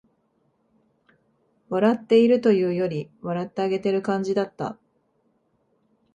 笑っているというより、笑ってあげてる感じだった